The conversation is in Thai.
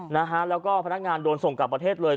นะฮะแล้วก็พนักงานโดนส่งกลับประเทศเลย